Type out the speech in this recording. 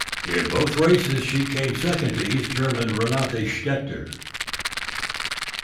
In both races, she came second to East German Renate Stecher.